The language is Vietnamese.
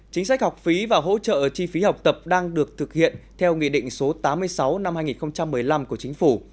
chính sách học phí và hỗ trợ chi phí học tập đang được thực hiện theo nghị định số tám mươi sáu năm hai nghìn một mươi năm của chính phủ